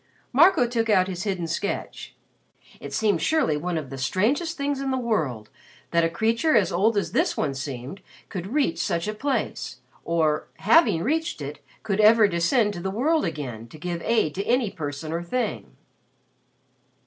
Marco took out his hidden sketch. It seemed surely one of the strangest things in the world that a creature as old as this one seemed could reach such a place, or, having reached it, could ever descend to the world again to give aid to any person or thing.